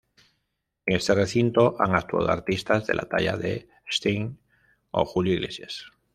En este recinto han actuado artistas de la talla de Sting o Julio Iglesias.